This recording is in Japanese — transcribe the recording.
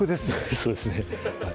そうですね